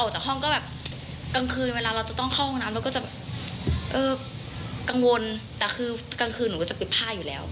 แต่กลางคืนหนูก็จะปิดผ้าอยู่แล้ว